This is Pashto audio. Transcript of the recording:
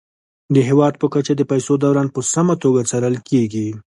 د هیواد په کچه د پيسو دوران په سمه توګه څارل کیږي.